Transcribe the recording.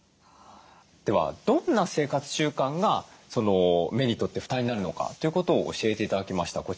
ではどんな生活習慣が目にとって負担になるのかということを教えて頂きました。